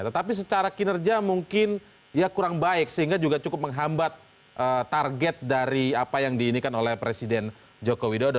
tetapi secara kinerja mungkin ya kurang baik sehingga juga cukup menghambat target dari apa yang diinginkan oleh presiden joko widodo